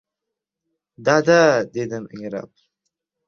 Dada! - dedim ingrab.